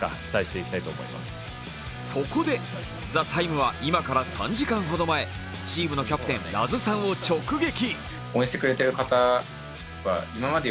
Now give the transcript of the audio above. そこで「ＴＨＥＴＩＭＥ，」は、今から３時間ほど前、チームのキャプテンを直撃。